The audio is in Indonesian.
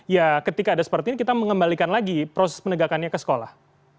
ya ketika ada seperti ini kita mengembalikan lagi proses penegakannya ke sekolah